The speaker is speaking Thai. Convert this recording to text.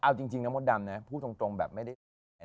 เอาจริงนะมดดำนะพูดตรงแบบไม่ได้